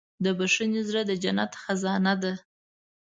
د بښنې زړه د جنت خزانه ده.